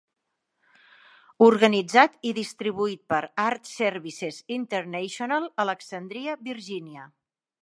Organitzat i distribuït per Art Services International, Alexandria, Virginia.